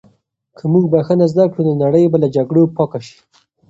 که موږ بښنه زده کړو، نو نړۍ به له جګړو پاکه شي.